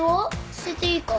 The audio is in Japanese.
捨てていいか？